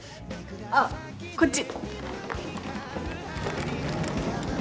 ああこっち